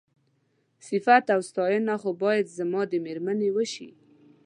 صيفت او ستاينه خو بايد زما د مېرمنې وشي.